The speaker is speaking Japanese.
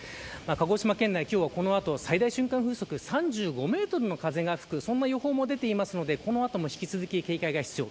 鹿児島県内、今日はこの後最大瞬間風速３５メートルの風が吹く予想も出ているのでこの後も引き続き警戒が必要。